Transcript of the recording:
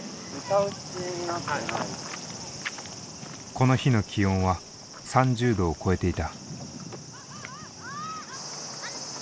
この日の気温は３０℃を超えていた。